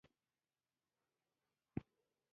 چې خلک یې یوې ګولې ډوډۍ ته حیران وي.